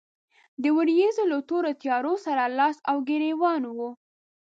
د ورېځو له تورو تيارو سره لاس او ګرېوان و.